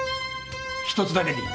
１つだけでいい。